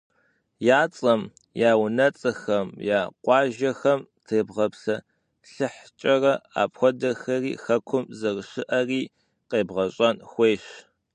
Я цӏэм, я унэцӏэхэм, я къуажэхэм тебгъэпсэлъыхькӏэрэ, апхуэдэхэри Хэкум зэрыщыӏэри къегъэщӏэн хуейщ.